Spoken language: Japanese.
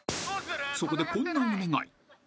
［そこでこんなお願い］